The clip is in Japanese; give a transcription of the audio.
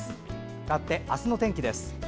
かわって明日の天気です。